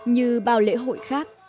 như bao lễ hội khác